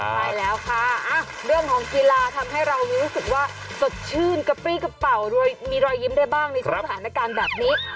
ใช่แล้วค่ะเรื่องของกีฬาทำให้เรารู้สึกว่าสดชื่นกระปรี้กระเป๋ามีรอยยิ้มได้บ้างในช่วงสถานการณ์แบบนี้